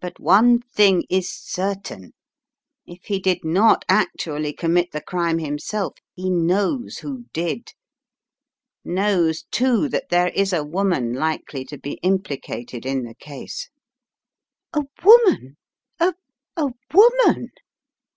But one thing is certain, if he did not actually commit the crime himself, he knows who did. Knows, too, that there is a woman likely to be implicated in the case." "A woman — a — a woman?"